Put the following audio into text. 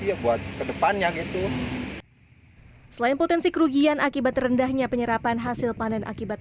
dia buat kedepannya gitu selain potensi kerugian akibat rendahnya penyerapan hasil panen akibat